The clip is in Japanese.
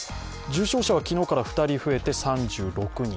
重症者は昨日から２人増えて３６人。